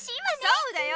そうだよ